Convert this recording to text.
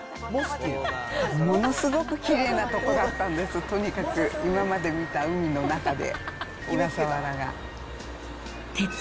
ものすごくきれいなとこだったんです、とにかく、今まで見た海の中で。